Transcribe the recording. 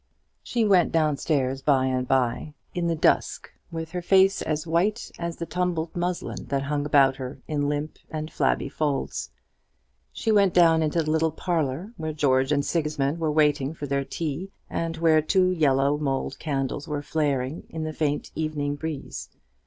She went down stairs by and by, in the dusk, with her face as white as the tumbled muslin that hung about her in limp and flabby folds. She went down into the little parlour, where George and Sigismund were waiting for their tea, and where two yellow mould candles were flaring in the faint evening breeze.